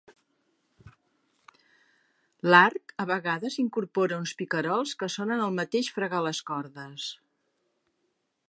L'arc, a vegades incorpora uns picarols que sonen el mateix fregar les cordes.